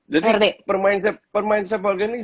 semua game ini sangat mudah